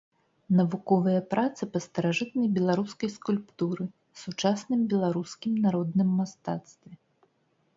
Навуковыя працы па старажытнай беларускай скульптуры, сучасным беларускім народным мастацтве.